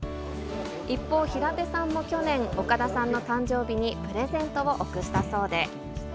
一方、平手さんも去年、岡田さんの誕生日にプレゼントを贈ったそうで。